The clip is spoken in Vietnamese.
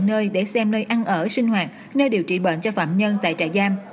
năm nay ăn ở sinh hoạt nơi điều trị bệnh cho phạm nhân tại trại giam